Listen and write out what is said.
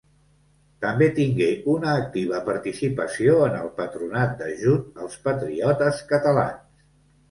També tingué una activa participació en el Patronat d'Ajut als Patriotes Catalans.